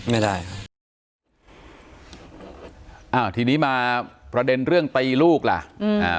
ไม่ได้ครับอ้าวทีนี้มาประเด็นเรื่องตีลูกล่ะอืมอ่า